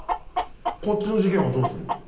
こっちの事件はどうすんの？